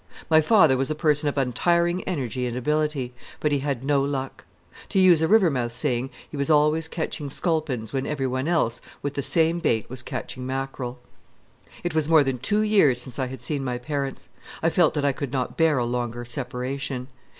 My father was a person of untiring energy and ability; but he had no luck. To use a Rivermouth saying, he was always catching sculpins when everyone else with the same bait was catching mackerel. It was more than two years since I had seen my parents. I felt that I could not bear a longer separation.